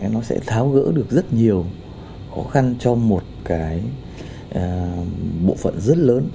nó sẽ tháo gỡ được rất nhiều khó khăn cho một cái bộ phận rất lớn